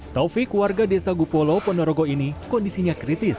taufik warga desa gupolo ponorogo ini kondisinya kritis